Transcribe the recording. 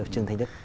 trương thanh đức